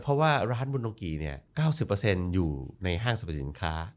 เพราะว่าร้านบุโนกี๙๐อยู่ในห้างสรรพสินค้า